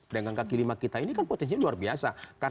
pedagang kaki lima kita ini kan potensinya luar biasa